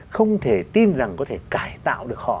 không thể tin rằng có thể cải tạo được họ